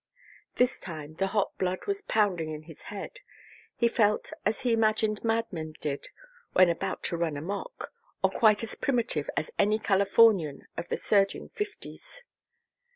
This time the hot blood was pounding in his head. He felt as he imagined madmen did when about to run amok. Or quite as primitive as any Californian of the surging "Fifties."